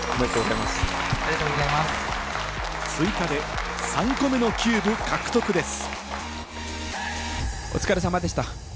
追加で３個目のキューブ獲得です。